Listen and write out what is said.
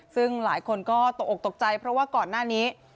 ซึ่งหลายคนก็ตกออกตกใจเพราะว่าก่อนหน้านี้